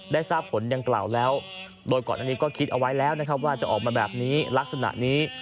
ได้ทราบผลอย่างเก่าโดยก่อนอันนี้ก็คิดเอาไว้แล้วว่าจะออกมาแบบลักษณะนี้